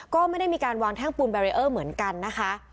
ก็ไม่ได้มีการวางแท่งปูนแบรีเออร์เหมือนกันนะคะ